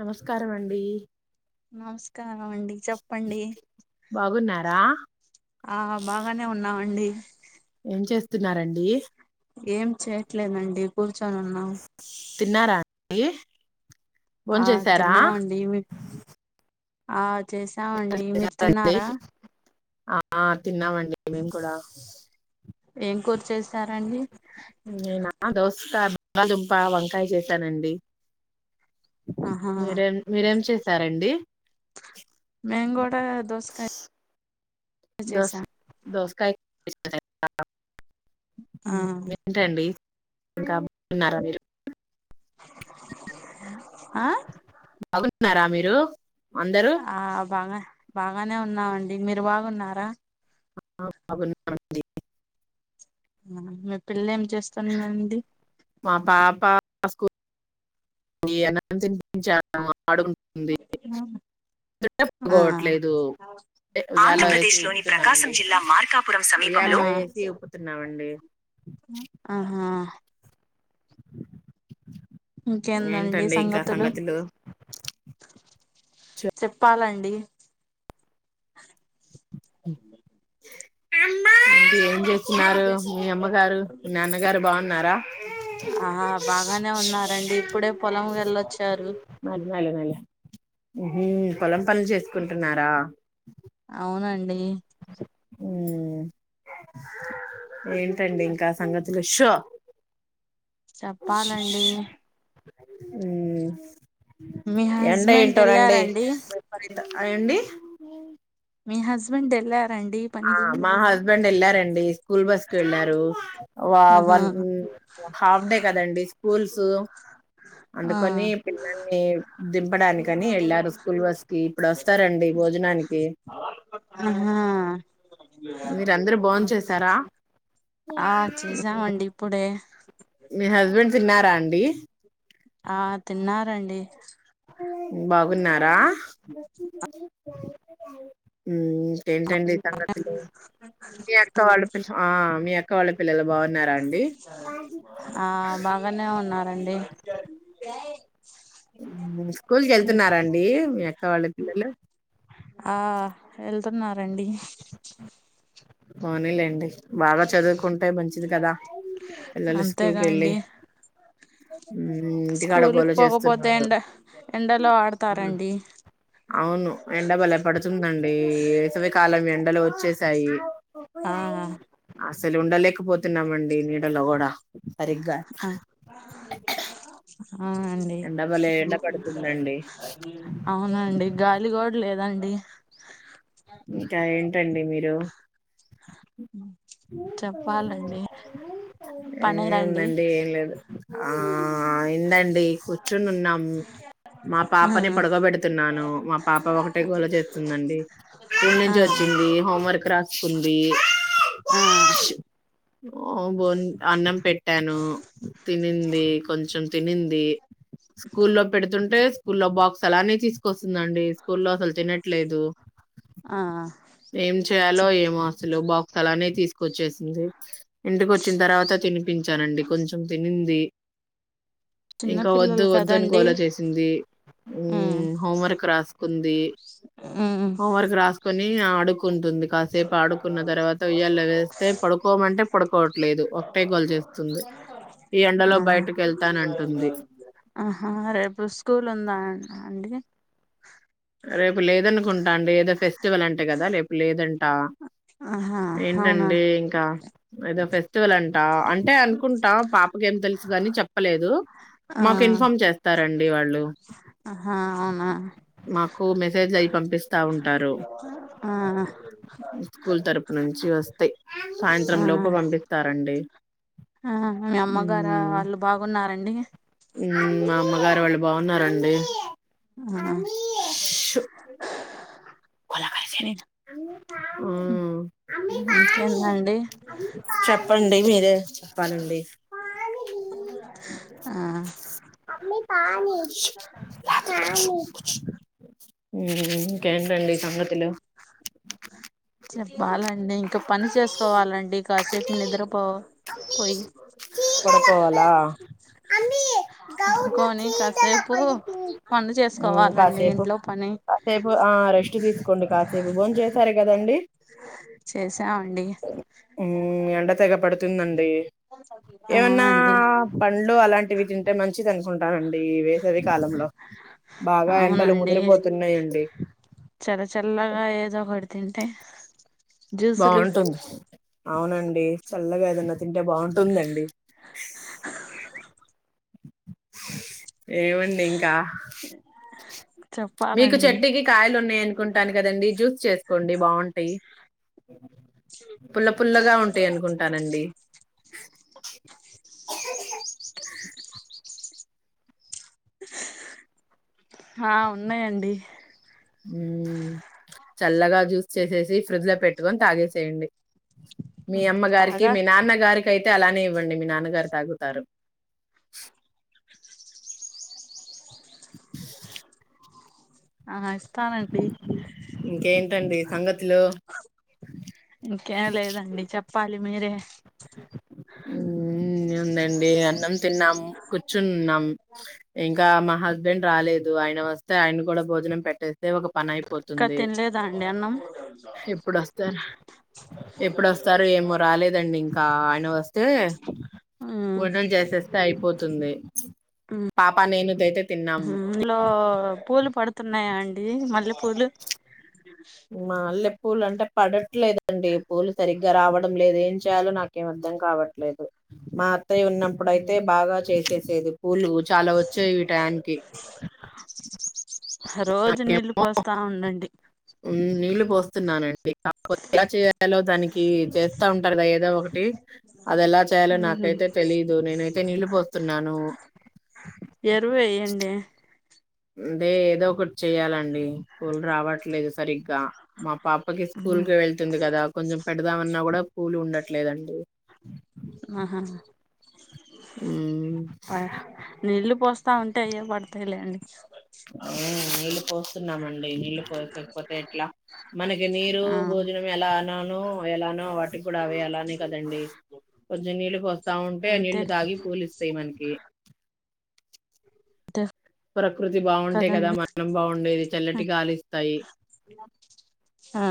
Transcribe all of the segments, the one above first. నమస్కారమ అండి నమస్కారం చ అండి చెప్పండి బాగున్నారా ఆ బాగానే ఉన్నామండి ప్స్తున్నారండి ఏం చేయట్లేదండిర్ చనన్నా తిన్నారా ఆ భోంచేశారా తిన్నావండి ఆ చేసామండి మీరు డి తిన్నారా ఆ తిన్నామండి మేము కూడా ఏం కూర్ చేసారండి బందుంపా వంకాయ చేశానండి ఆహా మీర మీరం చే స్తారండి మ్యాంగోట దోసకా దస్ దస్ ఆ ఏంటండి ఇకా ఉన్నారా మీరు అ ఆ న్నారా మీరు అందరూ ఆబాగా బాగానే ఉన్నామండి మీరు బాగున్నారా బబ మ పిల్లం మా పాపా స్ అన తనిపించాను డుగుంటుందివట్లేదుంల్లా ఆ ఆ మార్పు ఆ ఒప్పుతున్నామండి ఆహా ఇంకేందండి ఏంటండి ఇంకా సంగతులు చెప్పాలండి ఆ అమ్మగారు మీ నాన్నగారు బాగున్నారా ఆహా బాగానే ఉన్నారండి ఇప్పుడే పొలం వెళ్ళొచ్చారు ఉ పొలం పనులు చేసుకుంటున్నారా అవునండి డి ఏంటండి ఇంకా సంగతులు షో చెప్పాలండి ఉమ్ మీ ఎండ హస్బెండ్ ఏంటోనండి వెళ్లారండి విపరీత అండి మీ హస్బెండ్ ఎలా ఆ మా హస్బెండ్ వెళ్లారండి స్కూల్ బస్ కి వెళ్ళారు ఆహా వన్ హాఫ్ డే కదండి స్కూల్స్ ఆ అందుకని పిల్లల్ని దింపడానికని వెళ్ళారు స్కూల్ బస్ కి ఇప్పుడు వస్తారండి భోజనానికి హా మీరందరుూ బోం చేసారా ఆ చేసామండి ఇప్పుడే మీ తిన్నారా అండి ఆ తిన్నారండి బాగున్నారా ఉమ్ ఏంటండి సంగతులు మీ అక్క వాళ్ళ పిల్ల మీ అక్క వాళ్ళ పిల్లలు బాగున్నారా అండి ఆ బాగానే ఉన్నారండి స్కూల్ కి కెళ్తున్నారండి మీ అక్క వాళ్ళ పిల్లలు ఆ వెళ్తున్నారండి పోనీ లేండి బాగా చదువుకుంటే మంచిది కదా పిల్లలు స్కూల్కి అంతేగా వెళ్ళి అండి ఇంటికాడ గోల స్కూల్కి పోకపోతే చేస్తున్నారు ఎండ ఎండలో ఆడతారండి అవును ఎండ బలపడుతుందండి వేసవి కాలం ఎండలు వచ్చేసాయి ఆ అసలు ఉండలేక పోతున్నామండి నీడలో కూడా సరిగ్గా అవునండి ఎండబలే ఎండ పడుతుందండి అవునండి గాలి గూడ లేదండి అ ఇంకా ఏంటండి మీరు చెప్పాలండి పనేదండి ఏముందండి ఏం లేదు ఆ ఏందండి కూర్చొని ఉన్నాము మా ఆ పాపని పడుకోబెడుతున్నాను మా పాప ఒకటే గోల చేస్తుందండి స్కూల్ ఆ నుంచి వచ్చింది హోం వర్క్ రాసుకుంది. ఆ ఈ [inaudible] ఓ బోన్ అన్నం పెట్టాను తినింది కొంచెం తినింది. స్కూల్లో పెడుతు అంటే స్కూల్లో బాక్స్ అలా అనే తీసుకొస్తుందండి స్కూల్లో అసలు తినట్లేదు. ఆ ఏం చి చేయాలో ఏమో అసలు బా అలానే తీసుకొచ్చేసింది ఇంటిక వచ్చిన తర్వాత తినిపించానండి కొంచెం తినింది. చిన్న ఇంకా వద్దు పిల్లలు వద్దు అని కదండి గోలా చేసింది, ఉమ్ హోంవర్క్ రాసుకుంది. ఉమ్ రాసుకొని ఆ అడు ఉయ్యాల వేస్తే పడుకోమంటే పడుకోవట్లేదు ఒకటే గోల చేస్తుంది ఈ ఎండలో ఆహా బయటకు వెళ్తానంటుంది ఆహా రేపు స్కూల్ ఉందా అందుకే రేపు లేదనుకుంటా అండి ఏదో ఫెస్టివల్ అంటే కదా రేపు లేదండి ట ఆహా అవునా ఏంటండి ఇంకా ఏదో ఫెస్టివల్ అంటా అంటే అనుకుంట పాపకి ఏం తెలుసు గాని చెప్పలేదు మాకు ఇన్ఫార్మ్ చేస్తారు. హా అవునా మాకు మెసేజ్ అయి పంపిస్తా ఉంటారు ఆ స్కూల్ తరపు నుంచి వస్తే సాయంత్రం ఆ లోప పంపిస్తారు. అండీ ఆ మీ అమ్మగారా వాళ్ళు బాగున్నారండి. మ్మ్ మా అమ్మగారు వాళ్ళు బాగున్నారండి హా కలా క ఇంకేందండి చెప్పండి మీరే చెప్పాలండి ఆ ఇంకేండి చెప్పాలండి ఇంకా పని చేసుకోవాలండి కాసేపు నిద్రపో పోయి చీదల అమ్మీ గౌను పడుకోని చీదల కాసేపు పలుతుంది పడు ఉమ్ చేసుకోవాలండి ఇంట్లో పని. తీకోండి కాసేపు బో చేసారు కదండి చేసామండి ఎండ తెగ పడుతుందండి ఏమన్నా అవునండి పండ్లు అలాంటివి తింటే మం మంచిధి అనుకుంటానండి వేసవి కాలంలో బాగా ఎండలు ముదిరిపోతున్నాయండి చెల్లచల్లగా ఏదో ఒకటి అ తింటే జ్యూసులు బావుంటుంది అవునండి చల్లగాదన్న తింటే బాగుంటుందండి ఏమండి ఇంకా మీకు చెప్పాలండి చెట్టుకి కాయలు ఉన్నాయి అనుకుంటాను కదండి జ్యూస్ చేసుకోండి బాగుంటాయి పుల్ల పుల్లగా ఉంటాయి అనుకుంటానండి ఆ ఉన్నాయండి ఉ చల్లగా జ్యూస్ చేసేసి ఫ్రిడ్జ్ లో పెట్టుకొని తాగేసేయండి మీ అమ్మగారికి తాగా మీ నాన్నగారికి యితే అలానే ఇవ్వండి మీ నాన్నగారు తాగుతారు ఆ చెస్తానండి ఇంకేంటండి సంగతులు ఇంకేం లేదండి చెప్పాలి స మేర ఉ ఉందండి అన్నం తిన్నాం కూర్చున్నాం ఇ ఇకా మా హస్బెండ్ రాలేదు ఆయన వస్తే ఆయన కూడా భోజనం పెట్టేది అదే ఒక పన ఇంకా అయిపోతుంది తినలేదా అండి అన్నం ఎప్పుడుొస్తారు ఎప్పుడుొస్తారు ఏమో రాలేదండి ఇంకా అయన వస్తే ఉమ్, [unintelligible] చేస్తేస్తే అయి అపోతుంది పాప నేను అయితే ఇలో పూలు పడు తున్నాయి అండి మల్లెపూలు మా [unintelligible] పూలు అంటే పడట్లేదండి పూలు సరిగ్గా రావడం లేదు ఏం చేయాలో నాకేం అర్ధం కావట్లేదు మా ఉన్నప్పుడు ఉమ్. అయితే బాగా చేసింది చేదు పూలు చాలా వచ్చాయి వ టయానికి రోజు నీళ్ళు పోస్తా ఉండండి నీళ్లు పోస్తున్నానం [unintelligible] ఎలా చేయాలో దానికి ఈ జేత్తా ఉంటారు కదా ఏదో ఒకటి అది ఎలా చేయాలో ఉహు నాకైతే తెలీదు నేనైతే నీళ్ళుపోస్తున్నాను. ఎరువు వేయండి దే ఏదో ఒకటి చెయ్యాలండి పూలు రావట్లేదు సరిగ్గా మా పాపకి స్కూల్ ఉమ్ కి వెళ్తుంది కదా కొంచెం పెడదామన్నా కూడా పూలు ఉండట్లేదండి ఆహా హ్మ్. ఆహ్ నీళ్ళు పోస్ తా ఉంటే అయే పడతాయిలేండి ఉ నీళ్ళు పోస్తున్నామండి నీళ్ళు పోయకపోతే ఎట్లా, మనకి నీరు ఆ భోజనం ఎలా అననో ఎలానో వాటికి కూడా అవే అలానే కదండి. కొద్దిగ నీళ్ళు పోస్ తా ఉంటే అంతే నీళ్లు తాగి పూలిస్తాయి మనకి తే ప్రకృతి బాగుంటే కదా మనం బాగుండేది చల్లటి గాలిస్తాయి. ఆ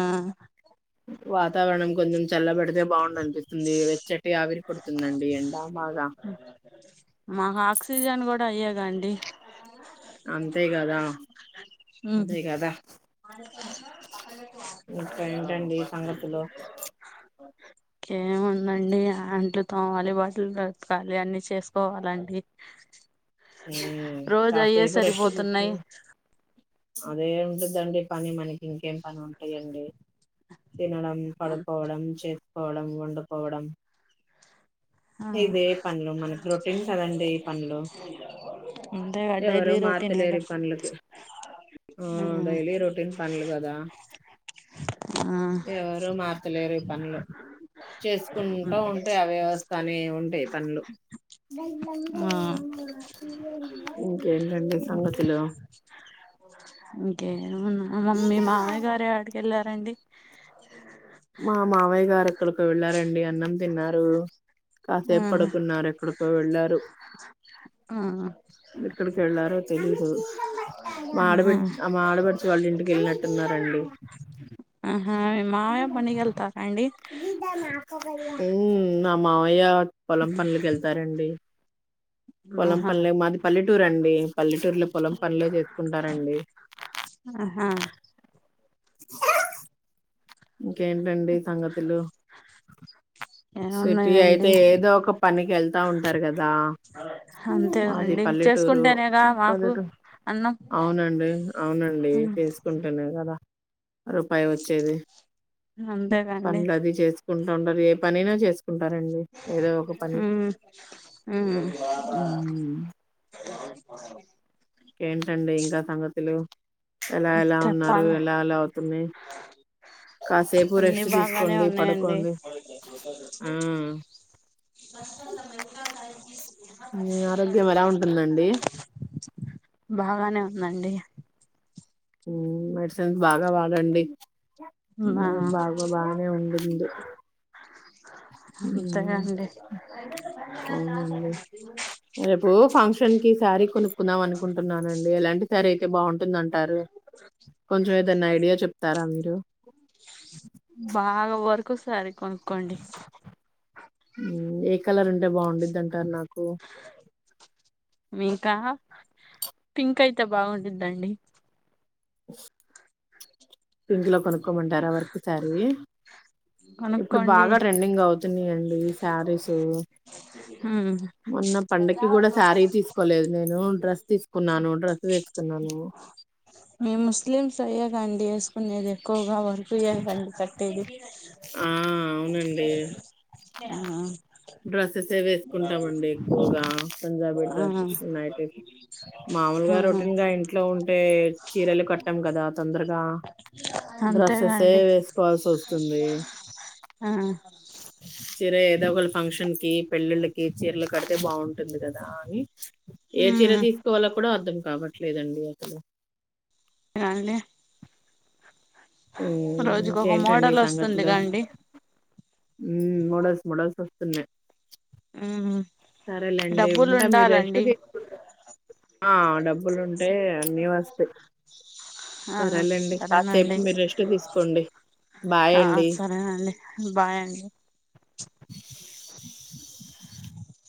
వాతావరణం కొంచెం చల్లబడుతు ఏం బాగుం అనిపితుంది వెచ్చటి ఆవిరి పడుతుందండి ఎండా బాగా గుంఢీ అంతే కదా అ అదే కదా ఇంకా ఏంటండి సంగతులు కేముందండి ఆంట్లుతో వాలి బాటిలు బ్రతకాలి అన్ని చేసుకోవాలండి రోజు అయ్యే కాస్తపు రష్ట సరిపోతున్నాయి అదే ఉంటందండి పని మనకి ఇంకేం పని ఉంటాయండి తినడం పడుకోవడం చే పోవడం వం పోవడం ఇదే పనులు మన ప్రొటీన్స్ అదండి ఈ పనులు అంతేగా ఎవరు డైలీ మార్తలేరు రొటీనేగా పనులకి ఆ డైలీ రొటీన్ పనులు కదా ఆ ఎవరు మార్చలేరు ఈ పనులు చేసుకుంటూ ఉంటాయి అవ్యవస్థ అనే ఉంటాయి పనులు ఇంకేంటండి సంగతులు ఇకే మమ్మీ మావ గర ఆడు గల రండి మా మావయ్య గారు ఎక్కడికో వెళ్ళారండి. అన్నం తిన్నారు. ఆ కాసేపు పడుకున్నారు ఎక్కడికో వెళ్ళారు ఆ ఎక్కడికి వెళ్ళారో తెలిదు మా ఆహా ఆడబడి మా ఆడబడచు వాళ్ళు ఇంటికి వెళ్ళినట్టున్నారండి. ఆ మీ మావయ్య పనీకి వెళ్తారా అండి ఉమ్ నా మావయ్య పొలం పనులకి వెళ్తారండి పొలం ఆహా పనులే మాది పల్లెటూరు అండి పల్లెటూరులో పొలం పనులే చేసుకుంటారండి. ఆహా ఇంకేంటండి సంగతులు. సిటీ అయితే ఏమున్నాయండి ఏదో ఒక పనికి వెళ్తా ఉంటారు కదా మాది అంతేనండి పల్లెటూరు చేసుకుంటేనేగా మాకు పల్లెటూరు అన్నం అవునండి అవునండి చేసుకుంటే [unintelligible] రూపాయి వచ్చేది అంతేకండి పన్లు అది చేసుకుంటు. వండర్ పని నా చేసు కుంటారండి ఏదో ఒక పని ఉమ్ ఉమ్ ఏంటండి ఇంకా సంగతులు ఎలా ఎలా ఉన్నారు చెప్పాలా ఎలా అలా అవుతున్నాయి. కాసేపు అన్ని రెస్ట్ బాగానే తీసుకోండి ఉన్నాయండి. పడుకోండి ఆ మీ ఆరోగ్యం ఎలా ఉంటుందండి బాగానే ఉందండి మెడిసిన్స్ బాగా వాడండి మా బాగా బానే ఉంటంది అంతేనండి అవునండి రేపు ఫంక్షన్ కి శారీ కొనుక్కుందాం అనుకుంటున్నానండి ఎలాంటి సారీ అయి అయితే బాగుంటుంద అంటారు కొంచెం ఏదైనా ఐడియా చెప్త వస్తారా మీరు అకు సారి కొనుకండి ఏ కలర్ ఉంటే బాగుడుది అంటారు నాకు మీకా పింక్ అయితే బాగుంటందండి. పింక్ లో కొనుక్కోమంటారా వర్క్ శారీ ఇప్పుడు కనుక్కోండి బాగా ట్రెండింగ్ అవుతున్నా అండి శారీస్. మ్మ్ మొన్న పండకి కూడా శారీ తీసుకోలేదు నేను డ్రస్ తీసుకున్నాను డ్రస్ వేసుకున్నాను. వసుకునేది ఎక్కువగా వ కుయ్య కండి కట్టేది ఆ అవునండి ఆ సే వేసుకుంటామండి ఎక్కువగా పంజాబీ ఆ ట్రాసిన్నా మామూలుగా రొటిన్ గా ఇంట్లో ఉం అంటే చీరలు కట్టాం కదా తొందరగా డ్రస్సెస్ అంతేగాండి వేసుకోవాల్సి వస్తుంది ఆ చీర ఏదో ఒకళ ఫంక్షన్ కి పెళ్ళిళ్ళకి చీరలు కడితే బాగుంటుంది కదా అని ఏ చీర మ్మ్ తీసుకోవాలో కూడా అర్థం కాబట్ లేదండి అసలు రానీలే హ్మ్. రోజుకు ఒక ఇంకేంటండి మోడల్ వస్తుంది గండి ఉ మోడల్స్ మోడల్స్ వస్తున్నాయి మ్ హు సరేలేండి, ఉంటా మీరు రెస్ట్ [unintelligible] డబ్బులు ఉంటే అన్నీ వస్తాయి ఆ సరేలేండి సరేనండి కాసేపు మీరు రెస్ట్ తీసుకోండి ఆ బాయండి. సరేనండి బాయ్ అండి